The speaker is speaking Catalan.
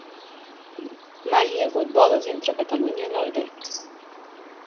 Mai hi ha hagut vols entre Catalunya i l'Alguer